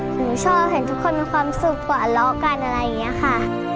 หนูชอบเห็นทุกคนมีความสุขกว่าเลาะกันอะไรอย่างนี้ค่ะ